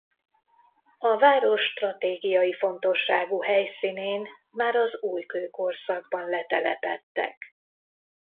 A város stratégiai fontosságú helyszínén már az újkőkorszakban letelepedtek.